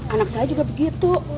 anak saya juga begitu